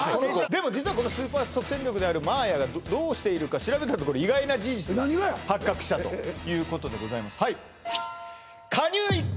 でも実はこのスーパー即戦力である守彬がどうしているか調べたところ意外な事実が発覚したということでございます